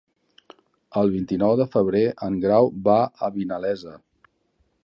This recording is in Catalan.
El vint-i-nou de febrer en Grau va a Vinalesa.